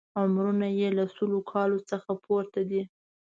عمرونه یې له سلو کالونو څخه پورته دي.